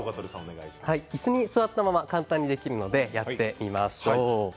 いすに座ったまま簡単にできるのでやってみましょう。